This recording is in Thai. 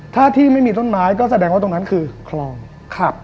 ถ้าที่ไม่มีต้นไม้ก็แสดงว่าตรงนั้นคือคลองครับ